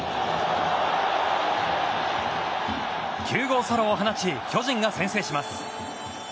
９号ソロを放ち巨人が先制します。